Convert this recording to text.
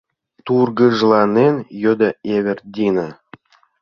— тургыжланен йодо Эвердина.